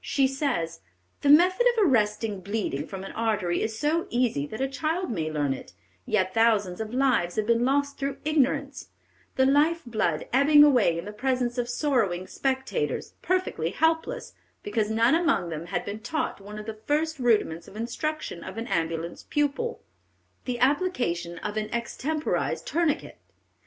She says: "The method of arresting bleeding from an artery is so easy that a child may learn it; yet thousands of lives have been lost through ignorance, the life blood ebbing away in the presence of sorrowing spectators, perfectly helpless, because none among them had been taught one of the first rudiments of instruction of an ambulance pupil, the application of an extemporized tourniquet.